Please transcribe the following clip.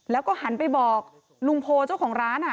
แล้วก็หันไปบอกลุงโพเจ้าของร้าน